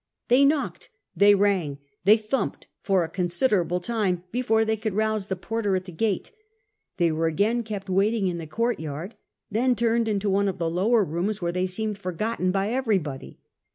' They knocked, they rang, they thumped for a considerable time before they could rouse the porter at the gate ; they were again kept waiting in the courtyard, then turned into one of the lower rooms, where they seemed forgotten by every body.